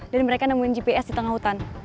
mereka nemuin gps di tengah hutan